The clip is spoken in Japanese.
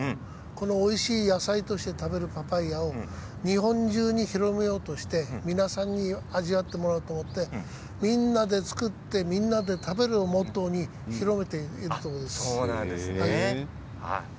このおいしい野菜として食べるパパイアを日本中に広めようとして皆さんに味わっていただこうと思ってみんなで作ってみんなで食べるのをモットーに広めているんです。